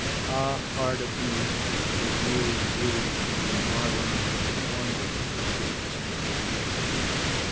Ah, heart of me, the weary, weary feet In Harlem wandering from street to street.